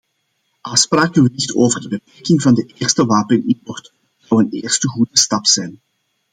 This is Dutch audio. Afspraken wellicht over de beperking van de wapenimport zou een eerste goede stap zijn.